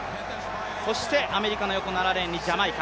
そしてアメリカの横、７レーンにジャマイカ。